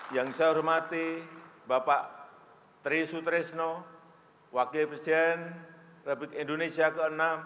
yang saya hormati bapak tri sutresno wakil presiden republik indonesia ke enam